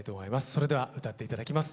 それでは歌って頂きます。